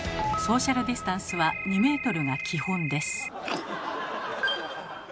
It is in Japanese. ソーシャルディスタンスは２ｍが基本です。